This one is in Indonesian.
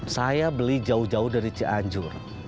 saya beli jauh jauh dari cianjur